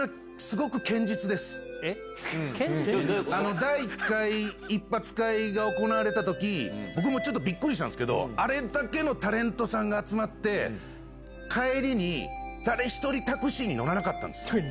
第１回一発屋会が行われたとき、僕もちょっとびっくりしたんですけど、あれだけのタレントさんが集まって、帰りに誰一人タクシーに乗らなかったんです。